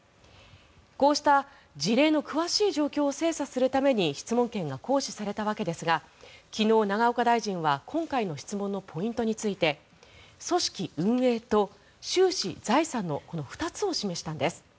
こうした事例の詳しい状況を精査するために質問権が行使されたわけですが昨日、永岡大臣は今回の質問のポイントについて組織・運営と収支・財産のこの２つを示したんです。